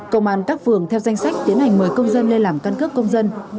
công an các phường theo danh sách tiến hành mời công dân lên làm căn cước công dân